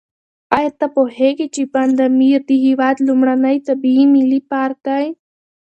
ایا ته پوهېږې چې بند امیر د هېواد لومړنی طبیعي ملي پارک دی؟